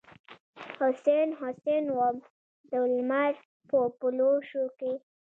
حسن ، حسن وم دلمر په پلوشو کې